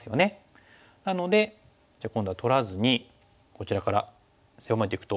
なのでじゃあ今度は取らずにこちらから狭めていくと。